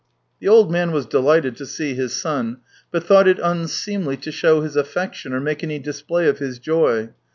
The old man was delighted to see his son, but thought it unseemly to show his affection or make any display of his joy.